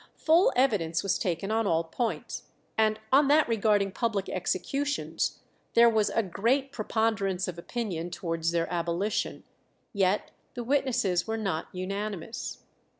Full evidence was taken on all points, and on that regarding public executions there was a great preponderance of opinion towards their abolition, yet the witnesses were not unanimous.